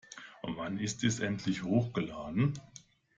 Wann ist es endlich hochgeladen?